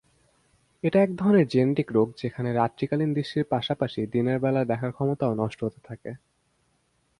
এটা একধরনের জেনেটিক রোগ যেখানে রাত্রিকালীন দৃষ্টির পাশাপাশি দিনের বেলা দেখার ক্ষমতাও নষ্ট হতে থাকে।